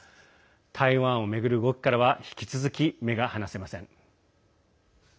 台湾を巡る動きからは引き続き目が離せません。